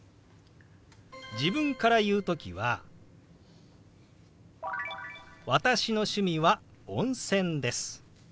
自分から言う時は「私の趣味は温泉です」。